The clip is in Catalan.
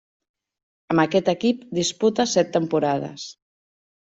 Amb aquest equip disputa set temporades.